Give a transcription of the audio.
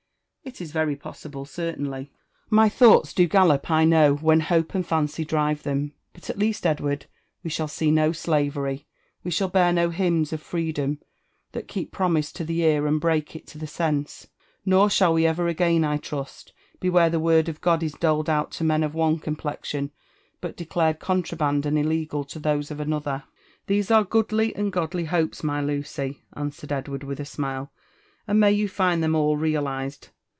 It is very possible, certainly. My thoughts do gallop, I know, when hope and fancy drive them. But, at least, Edward, we shall see no slavery; we shall hear no hymns of free dom, that ' keep promise to the ear, and break it to the sense ;' nor shall we ever again, I trust, be where the Word of God is doled out to men of one complexion, but declared contraband and illegal to those of another.'* >^" These are goodly and godly hopes, my Lucy," answered Edward with a smile, " and may you find them all realized.